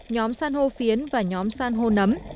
nhóm san hô phiến và nhóm san hô nấm